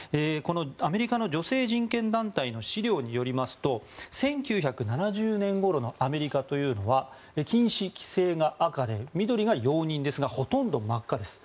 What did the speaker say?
アメリカの女性人権団体の資料によりますと１９７０年ごろのアメリカというのは禁止・規制が赤で緑が容認ですがほとんど真っ赤です。